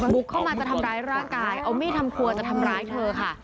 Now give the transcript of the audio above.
บุกเข้ามาจะทำร้ายร่างกายเอามีดทำครัวจะทำร้ายเธอค่ะ